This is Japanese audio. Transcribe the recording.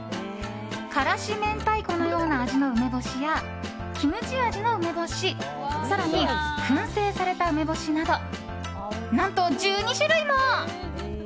辛子明太子のような味の梅干しやキムチ味の梅干し更に燻製された梅干しなど何と１２種類も。